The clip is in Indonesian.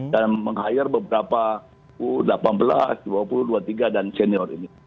dan menghayar beberapa u delapan belas u dua puluh u dua puluh tiga dan senior ini